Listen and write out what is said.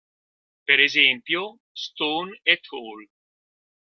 Per esempio, Stone et al.